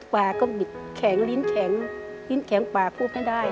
ปาก็บิดแข็งลิ้นแข็งปากพูดไม่ได้